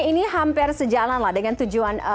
ini hampir sejalan lah dengan tujuan